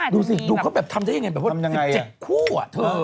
ดูสิดูเขาแบบทำได้ยังไงแบบว่า๑๗คู่อะเธอ